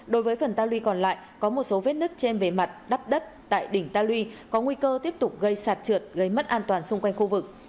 đối với phần ta luy còn lại có một số vết nứt trên bề mặt đắp đất tại đỉnh ta lui có nguy cơ tiếp tục gây sạt trượt gây mất an toàn xung quanh khu vực